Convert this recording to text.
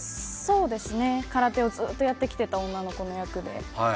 そうですね、空手をずーっとやってきた女の子の役で。